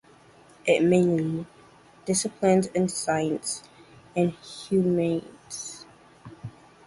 It mainly hosts disciplines in sciences and humanities.